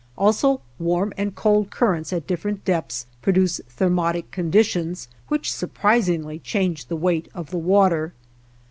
Also warm and cold currents at different depths produce thermotic conditions, which surprisingly change the weight of the water.